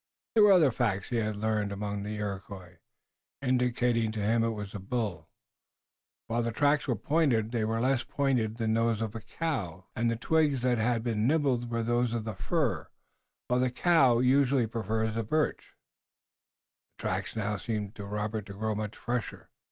There were other facts he had learned among the Iroquois, indicating to him it was a bull. While the tracks were pointed, they were less pointed than those the cow generally makes, and the twigs that had been nibbled were those of the fir, while the cow usually prefers the birch. The tracks now seemed to Robert to grow much fresher.